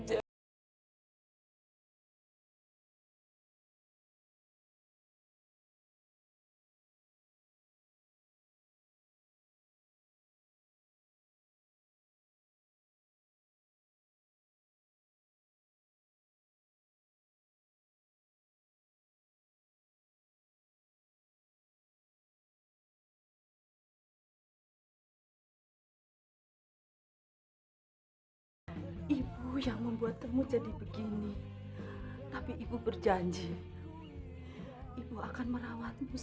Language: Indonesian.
saya memang ingin mati